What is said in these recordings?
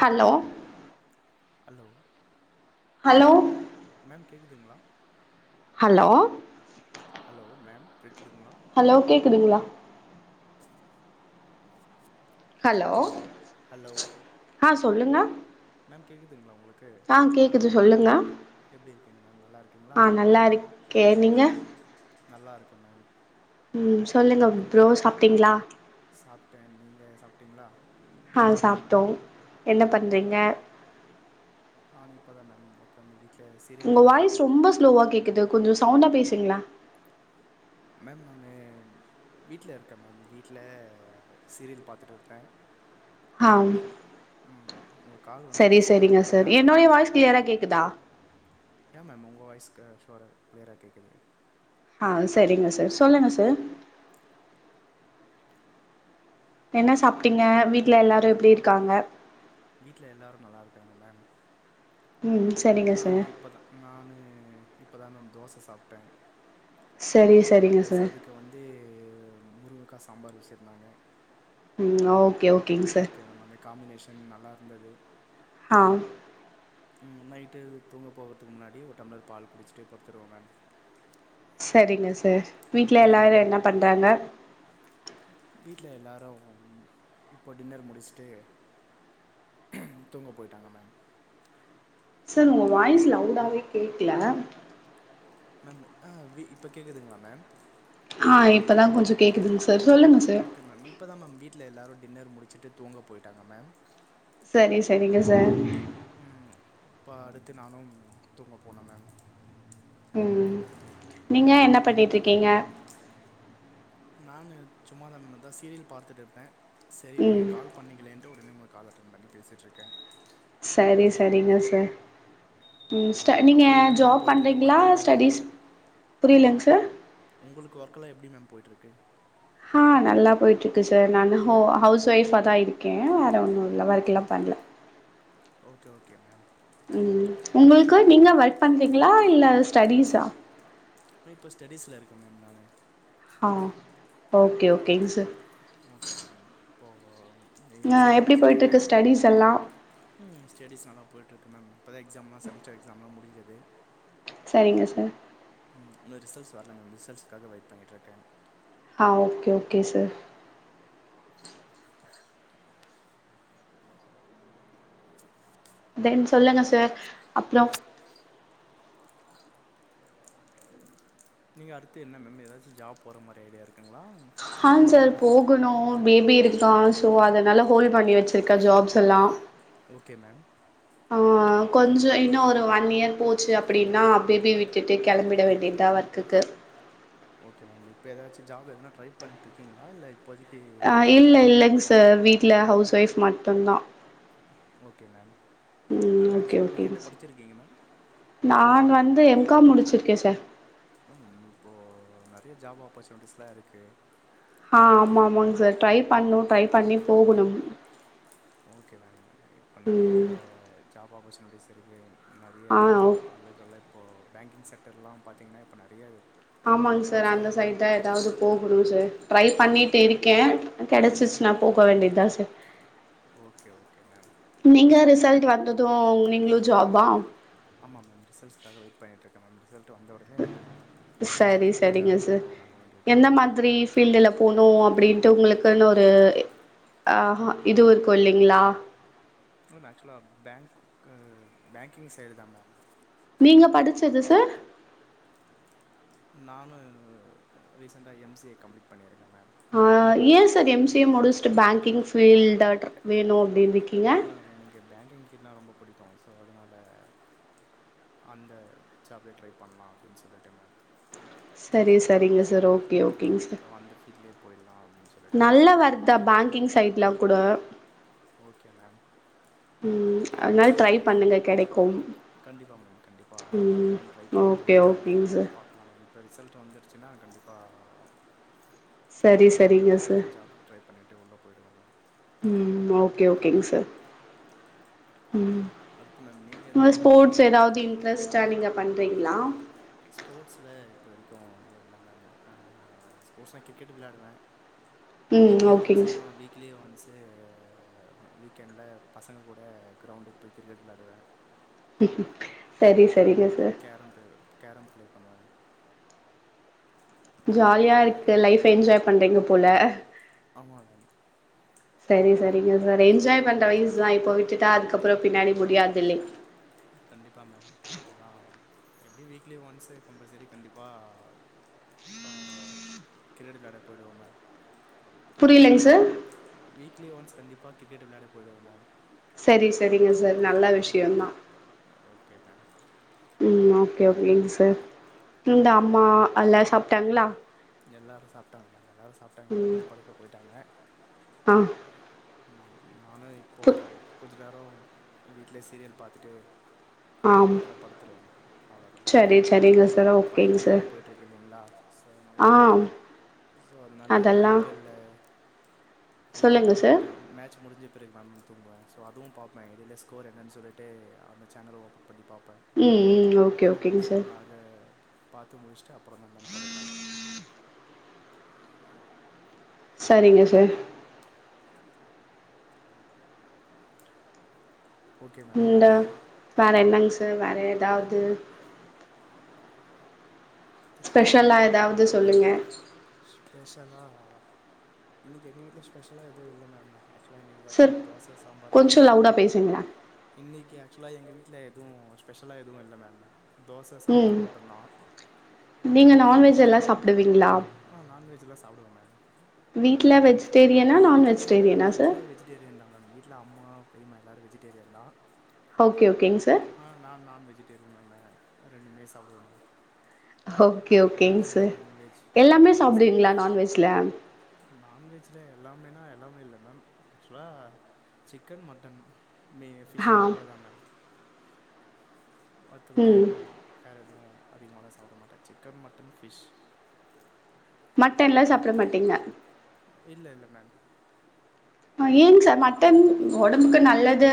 Hello hello hello ma'am கேக்குதுங்களா [inaudible] hello hello ma'am cake [inaudible] hello கேக்குதுங்களா hello hello ஆஹ சொல்லுங்க மேம் கேக்குதுங்களா [inaudible] உங்களுக்கு ஆ கேக்குது சொல்லுங்க எப்படி இருக்கீங்க மேம் நல்லா இருக்கீங்களா கே நீங்க நல்லா இருக்கே மேம் உம் சொல்லுங்க புரோ சாப்பிட்டீங்களா சாப்பிட்டேன் நீங்க சாப்பிட்டீங்களா ஆஹ் சாப்டோம் என்ன பண்றீங்க நானு இப்ப தா வந்து உக் [inaudible] காந்து வீ உங்க வாய்ஸ் ரொம்ப ஸ்லோவா கேக்குது கொஞ்சம் சவுண்டா பேசுங்களே மேம் நா வீட்ல இருக்கேன் மேம் வீட்ல சீரியல் பாத்துட்டு இருக்கேன் ஆஹ் உங்க கால் வந்தது சோ உடனடியா அட்டென்ட் பண்ணே வாய்ஸ் கிளியரா கேக்குதா ஏன் மேம் உங்க வாய்ஸ் [unintelligible] சூர் மேம் க்ளியரா கேக்குது ஆஹ் செரிங்க சார் சொல்லுங்க சார் என்ன சாப்பிட்டீங்க வீட்டுல எல்லாரும் எப்படி இருக்காங்க வீட்ல எல்லாரும் நல்லா இருக்காங்க மேம் ம் சரிங்க நானு சார் இப்பதான் நானு இப் இப்போ தான் மேம் தோசை சாப்பிட்டேன் சரி சரிங்க பிளஸ் சார் அதுக்கு வந்து முரு அக்கா சாம்பார் வெச்சிருந்தாங்க ம் ஓ ஓகே மேம் அந்த காம்பினேஷன் நல்லா இருந்தது அ ம் னைட்டு தூங்க போகறதுக்கு முன்னாடி ஒரு டம்ளர் பால் குடிச்சுட்டு படுத்துருவ மேம் செரிங்க சார் வீட்ல நீங்கள் மேம் எல்லாரும் என்ன பண்றாங்க வீட்ல எல்லாரும் இப்போ டின்னர் முடிச்சுட்டு தூங்க போயிட்டாங்க மேம் சார் உங்க வாய்ஸ் லவுடாவே கேக்கல மேம் அ வீ இப்ப கேக்குதுங்களா மேம் ஆ இப்ப தா கொஞ்சோ கேக்குதுங்க சார் சொல்லுங்க சார் ஓகே மேம் இப்ப தா மேம் வீட்ல எல்லாரும் டின்னர் முடிச்சுட்டு தூங்க போய்டாங்க மேம் செரி செரிங்க சார் இப்போ அடுத்து நானும் தூங்க போனும் மேம் ம் நீங்க என்ன பண்ணிட்டு இருக்கீங்க நானு சும்மாத மேம் அதா சீரியல் பார்த்துட்டு இருப்பே செரி நீங்க ம் கால் பண்ணிக்கலேன்ட்டு [unintelligible] கால் அட்டென் பண்ணி பேசிட்ருக்க சரி சரிங்க சார் ம் ஸ்ட நீங்க அப்புறம் எப்படி மேம் ஜாப் போயிட்டுருக்கு பண்றீங்களா ஒர்க் எல்லாம் உங்களுக்கு ஸ்டடிஸ் புரியலங்க சார் போய்ட்டுருக்கு ஹ நல்லா போயிட்டு இருக்கு சார் நான் ஹவுஸ் வைஃப் அதா இருக்கே வேற ஒண்ணும்ல ஒர்க் எல்லாம் பண்ணல ஓகே ஓகே மேம் ம் உங்களுக்கு நீங்க ஒர்க் பண்றீங்களா இல்ல ஸ்டடிஸ் ஆ இப்ப ஸ்டடிஸ்ல இருக்க மேம் நானு அ ஓகே ஓகேங்க சார் ஓகே மேம் இப்போ ஆ எம்சிஏ எப்டி படிச்சுட்டு இருக்க போயிட்ருக்கு ஸ்டடீஸ் எல்லா ம் ஸ்டடிஸ் நல்லா போய்ட்ருக்கு ஓகே மேம் இப்போதா எக்ஸாம்லாம் செமஸ்டர் எக்ஸாம்லாம் முடிஞ்சது சரிங்க சார் ம் இன்னும் ரிசல்ட்ஸ் வரல மேம் ரிசல்ட்ஸ்காக வெயிட் பண்ணிட்டு இருக்க அ ஓகே ஓகே சார் தென் சொல்லுங்க சார் அப்புறம் நீங்க அடுத்து என்ன மேம் ஏதாச்சும் ஜாப் போற மாதிரி ஐடியாருக்குங்களா ஹ சார் போகணு பேபி இருக்கான் சோ அதனால ஹோல்ட் பண்ணி வச்சிருக்க ஜாப்ஸ் எல்லா ஓகே மேம் ஆ கொஞ்ச இன்னும் ஒரு ஒன் இயர் போச்சு அப்படின்னா பேபிய விட்டுட்டு கிளம்பிட வேண்டியதுதா ஒர்க்குக்கு ஓகே மேம் இப்ப ஏதாச்சும் ஜாப் எதனா ட்ரை பண்ணிட்டு இருக்கீங்களா இல்ல ஆ இல்ல இல்லங் சார் வீ ட்ல ஹவுஸ் ஒய்ஃப் மட்டுந்தா ஓகே மேம் இல்ல ம் இந்த ஓகே ஏக்சுலா நீங்க ஓகேங்க என்ன சார் படிச்சிருக்கீங்க மேம் ந்து எம் காம் முடிச்சிருக்கே சா ஆ மேம் இப்போ நறைய ஜாப் ஆப்பர்ச்சுனிட்டிஸ்லா இருக்கு ஆ ஆமா ஆமாங் சார் ட்ரை பண்ணு ட்ரை பண்ணி போகணும் ஓகே மேம் இப்ப நறைய ம் ஜாப் ஆப்பர்ச்சுனிட்டிஸ் நறைய ஆ ஓ ஆளுகளைப் ப்போ பேங்கிங் செக்டர்லா பாத்திங்கன்னா இப்போ நறைய ஆமாங் சார் அந்த சைட் தா எதாவ்து போகணு சார் ட்ரை பண்ணிட்டு இருக்கே ம் கெடச்சிச்னா போக வேண்டி தா சா ஓகே ஓகே மேம் ட்டு வந்தது நீங்ளு ஜாப்பா ஆமா மேம் ரிசல்ஸ்காக வெயிட் பண்ணிட்ருக் மேம் ரிசல் ட்டு வந்தவுடனே நானு ஜாப் சரி சர்ச் பண்ணிட்டு சரிங்க அடுத்து சார் மூவன் ஆக வேண்டிதா மேம் ப்பிடின்ட்டு உங்குளுக்குன்னு ஒரு ஆஹ இதுவு இருக்கு இல்லிங்ளா மேம் ஏக்சுவலா பேங்க்க்கு பேங்கிங் சைடுதா மேம் நீங்க படிச்சது சார் நானு ரீசெண்ட்டா எம் சி ஏ கம்ப்ளீட் பண்ணிருக்கே மே ஆ ஏ சார் எம் சி ஏ முடிச்ட்டு பேங்கிங் ஃபீல்ட்டாட்ர் வேணு அப்டின் இர்க்கி ஆம் எனக்கு பேங்கிங் ஃபீல்னா ரொம்ப புடிக்கு சோ அதுனால அ அந்த ஜாப்பே ட்ரை பண்லா அப்டின் சொல்லிட்டு மேம் சரி சரிங்க ஸ் சார் ஓகே ஓகேங் ம் சார் ஸோ அந்த ஃபீல்ட்லேயே போயிடலாம் அப்படின்னு சொல்லிட்டு நல்ல மேம் ஏன்னா வர்க்தா பேங்கிங் சைட்ல கூட ஓகே மேம் ம் அதுனால் ட்ரை பண்ணுங்க கெடை கண்டிப்பா மேம் கண்டிப்பா அந்த ம் ஜாப்தா மேம் ட்ரை ஓகே பண்ணிட்ருக்கே ஓகேங்க சார் பாக்லா மேம் இப்ப ரிசல்ட் வந்துடுச்சின்னா கண்டிப்பா சரி கெளம்பிடுவ மேம் சரிங்க சார் அதுக்கேத்த ஜாப் ட்ரை பண்ணிட்டு உள்ள போயிடுவே மேம் கே ஓகேங் சா ம் அடுத்து மேம் நீங்கள் [unintelligible] எதுவும் ஸ்போட்ஸ் எதாவ்து இன்ட்ரெஸ்ட்டா நீங்க பண்றீங்கலா எதோ இல்ல மேம் ஆஹ ஸ்போர்ட்ஸ்னா கிரிக்கெட்டு் விளையாடுவே ம் வீக்லி ஒன்ஸ் ஓகேங்க சார். ஆமா வீக்லி ஒன்ஸ் இது வீக்கெண்டுல பசங்க கூட க்ரௌண்டுக்கு போய் கிரிக்கெட் வெளாடுவே சரி சரிங்க சார் கம் பிளே பண்ணுவே ஜாலியா இருக்கு லைஃப் என்ஜாய் பண்றீங்க போல ஆமால சரி சரிங்க சார் என்ஜாய் பண்ற வயசு தா இப்போ விட்டுட்டா அதுக்கப்புறோ பின்னாடி முடியாது இல்லீங் கண்டிப்பா மேம் அதுதா எப்டியு வீக்லி ஒன்ஸு கம்பல்சரி கண்டிப்பா அ கிரிக்கெட் வெளையாட போயிடுவே மேம் புரியலைங்க சார் வீக்லி ஒன்ஸ் கண்டிப்பா கிரிக்கெட் வெளையாட போயிடுவே மேம் சரி சரிங்க சார் நல்ல விஷயோந்தா ஓகே மேம் ம் ஓகே ஓகேங்க சார் இந்த அம்மா அல்லா சாப்ட்டாங்களா எல்லாரு சாப்பிட்டாங்க மேம் எல்லாரு சா ப்ட்டாங்க ம் எல்லோருமே படுக்கப் போய்டாங்க ஆ நானோ இப்போ பு குளிச்சுட் எல்லாரு வீட்ல சீரியல் பாத்துட்டு ஆம் அப்புறோ படுத்துருவாங்க அவ்வளோதா சரி சரிங்க சார் இப்போ ஐ ஓகேங்க பி எல் வேற சார் போய்ட்டு இருக்க இல்லைங்களா சோ அதனால ஆ ஐ சோ அதனால ஐ அதெல்லா பி எல் ல ஐ பி எல் சொல்லுங்க ல சார் மேட்ச் முடிஞ்ச பிறகு மேம் தூங்குவ சோ அதுவு பாப்பே எடையில ஸ்கோர் என்னென்னு சொல்லிட்டு அந்த சேனல் ஓப ன் பண்ணிப் பாப்பே ம் ம் ஓகே அ ஓகேங்க சோ சார் அத பாத்து முடிச்சுட்டு அப்புறோ தா மேம் படுப்பே சரிங்க சார் ஓகே மேம் இந்தா வேற என்னாங் சா ர் வேற ஏதாவது ஸ்பெஷலா எதாவ து சொல்லுங்க ஸ்பெஷலா இன்னிக்கி எங்க வீட்ல ஸ்பெஷலா எதுவு இல்ல மேமு ஆக்சுவலாக இன்னைக்கி சார் பாத்தீங்கன்னா தோச சாம்பார் கொஞ்சோ மட்டும்தா லவுடா பேசுங்களே இன்னைக்கி ஆக்சுவலா எங்க வீட் வீட்ல எதுவு ஸ்பெஷலா எதுவு இல்ல மேம் தோச ம் சாம்பார் மட்டுந்தா ஜெல்லா சாப்பிடுவீங் ஆ நான்வெஜ் எல்லா சாப்பிடுவே மேம் வீட்ல வெஜிடேரியனா நான் வீட்ல வெஜிடேரியனா சார் வீட்ல வெஜிடேரியன் தா மேம் வீட்ல அம்மா பெரிம்மா எல்லாரோ வெஜிடேரியன் தா ஓகே ஓகேங்க சார் ஆ நா நான் வெஜிடேரியந்தாங்க ரெண்டுமே சாப்பிடுவங்க ஓக்கே ஓக்கேங்க சார் நான்வெஜ் எல்லாமே ரெண்டுமே சாப்டுவே சாப்டுவீங்களா நான்வெஜ்ல நான்வெஜ்ல எல்லாமேனா எல்லாமே இல்ல மேம் ஆக்சுவலா சிக்கன் மட்டன் மே ஃபிஷ் ஆ அவ்ளோ தா மேம் மத்தபடி ம் வேற எதுவு அதிகமால்லா சாப்பிட மாட்ட சிக்கன் மட்டன் ஃபிஷ் மட்டன் எல்லா சாப்பிட மாட்டீங்க இல்ல இல்ல மேம் ஆ ஏங் சார் மட்டன் ஒடம்புக்கு நல்லது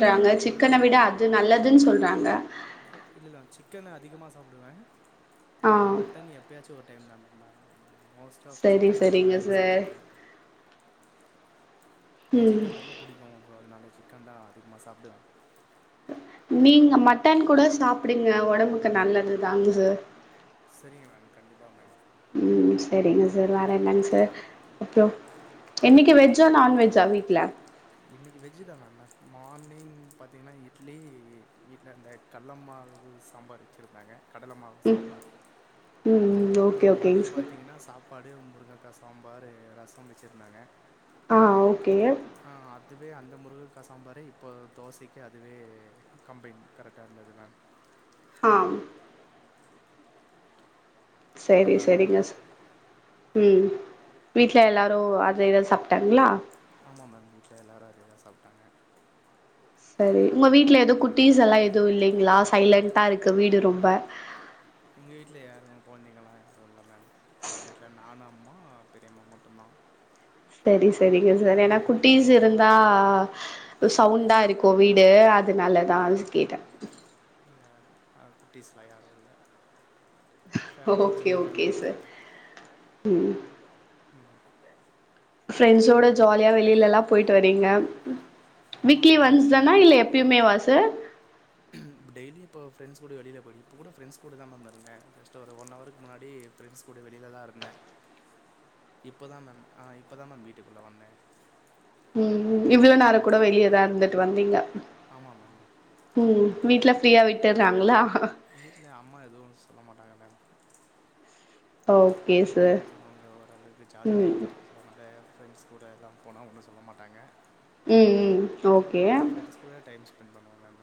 அது இல்ல சிக்கன விட அது நல்லதுன்னு சொல்றாங் ங அ இல்லல்ல சிக்கனு அதிகமா சாப்பிடுவே ஆ மட்டன் எப்பயாச்சு ஒரு டைம் தா மேம் மேம் மோஸ்ட் ஆஃப் சரி சிக்கன் தா மேம் சரிங்க நெறையா சார் சாப்பிடுவே எனக்கு ம் சிக்கன் ரொம்ப புடிக்கு சோ அதனால சிக் கண்டா அதிகமா சாப்டுவே நீங்க மட்டன் கூட சாப்புடுங்க ஒடம்புக்கு நல்லதுதாங்க சார் செரிங்க மேம் கண்டிப்பா மேம் செரிங்க சார் வேற என்னங்கசார் அப்ரொ இன்னைக்கு வெஜ்ஜா நான் வெஜ்ஜா வீட்ல இன்னிக்கு வெஜ்ஜுதா மேம் மார்னிங் பாத்தீங்கன்னா இட்லி வீட்ல அந்த கல்லம்மாவு சாம்பார் வச்சிருந்தாங்க கடல மாவு ம் சாம்பார் ம் ஆ ஓகே ஓகேங்க மதியொ சார் பாத்தீங்கன்னா சாப்பாடு மதியோ முருங்கக்கா சாம்பார் ரசம் வெச்சிருந்தாங்க ஆ ஓ ஆ அதுவே அந்த முருங்க க்கா சாம்பாரே இப்போ தோசைக்கு அதுவே கம்பைன் கரெட்டா இருந்தது மேம் ஆம் செரி நல்லா செரிங்க இருந்தது சா ம் வீட்ல எல்லாரு அதேதா சாப்ட்டாங்ளா ஆமா மேம் வீட்ல எல்லாரு அதேதா சாப்ட்டாங்க செரி உங்க வீட்ல எது குட்டிஸ் எல்லா எதுவு இல்லெங்களா சைலன்டா இருக்கு வீடு ரொம்ப எங்க வீட்ல யாரு கொழந்தைங்களா யாரு இல்ல மேம் எங்க வீட்ல நானு அம்மா பெரியம்மா மட்டுந்தா செரி செரிங்க செர் எனா அதனால வெளிய குட்டீஸ் இருந்தா சவுண்டா இருக்கு வீடு அதுனலதா கேட்டே இல்ல மேம் குட்டிஸ்லா யாரு இல்ல ஃபேமிலி சின்ன ஃபேமிலி தா மேம் ம் ம் ஃப்ரெண்ட்ஸோட ஜாலியா வெளிலெல்லா போயிட்டு வறீங்க ஆமா வீக்லி மேம் ஒன்ஸ் தானா இல்ல எப்பயுமே வாச [unintelligible] டெய்லி இப்போ ஃப்ரெண்ட்ஸ் கூட வெளியில போயி் இப்போ கூட ஃப்ரெண்ட்ஸ் கூட தா மேம் இருந்தே ஜஸ்ட் ஒரு ஒன் ஹவருக்கு முன்னாடி ஃப்ரெண்ட்ஸ் கூட வெளில தா இருந்தே இப்போ தா மேம் இப்போ தா மேம் வீட்டுக்குள்ள வந்தே ம் கொஞ்ச இவ்லோ நெர நேரந்தா கூட வெளியதா இருந்துட்டு வந்தீங்க ஆமா மேம் ம் வீட்ல ஃப்ரீயா விட்டுறாங்களா வீட்ல அம்மா எதுவு சொல்ல மாட்டாங்க மேம் ஒ அவங்க ஓரளவுக்கு ஜாலி டைப் தா சொ அதுனால ஃப்ரெண்ட்ஸ் கூட எல்லா போனா ஒன்னு சொல்ல மாட்டாங்க ம் ம் ஓகே ஃபண் பண்ணுவோ மேம்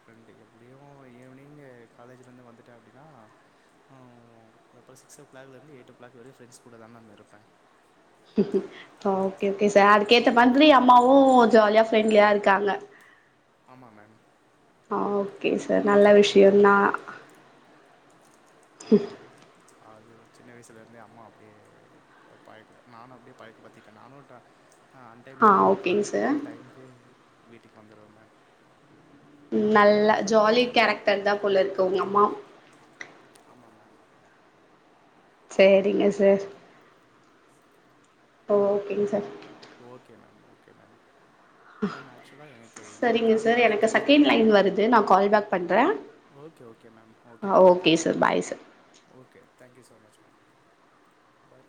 ஃப்ரெண்டு எப்டியு ஈவினிங் காலேஜ்லேருந்து வந்துட்டே அப்டின்னா அப்ரோ சிக்ஸ் ஓ கிளாக்லேருந்து எயிட் ஓ க்கு ஃப்ரண்ட்ஸ் கூட தா மேம் இருப்பே ஓகே க்கேன் சார் கேட்ட பந்துரியா அம்மாவும் ஜாலியா ஃப்ரெண்ட்லியா இருக்காங்க ஆமா மேம். ஹ ஓகே சார் நல்ல விஷயம்தான் ஆமாம் மேம் அது சின்ன வயசுலேருந்தே அம்மா அப்படியே பழக் நானும் அப்படியே பழக்க படுத்திட்டேன் நானும் ஆ அன் டைம்லாம் வரதில்லை ஓகேங்க சார் கரெக்டாக டைமமுக்கு வீட் கண்டிப்பா வந்துருவேன் மேம் நல்லா ஜாலி கேரக்டர் தான் போல இருக்கு உங்க அம்மா ஆமாம் மேம் சரிங்க சார் ஓகேங்க sir okay ma'am okay ma'am. Ma'am ஆக்சுவலா எனக்கு இன்னொரு சரிங்க கால் சார் வந்துட்டு எனக்கு இருக்கு செகண்ட் லைன் வருது நான் கால் பேக் பண்றே ஓகே ஓகே மேம் ஓகே ஆ ma'am sir bye sir okay thank you so much ma'am பாய்.